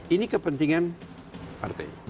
ini kepentingan partai